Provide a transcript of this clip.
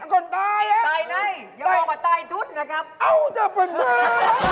คนตายอะใช่ไหมตายทุกคนนะครับเอ้าจับปัญหา